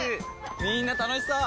みんな楽しそう！